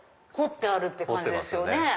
彫ってあるって感じですよね。